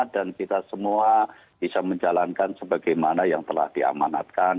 kita semua bisa menjalankan sebagaimana yang telah diamanatkan